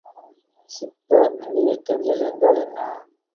சிப்ப மின்னியக்கவியல் என்றால் என்ன?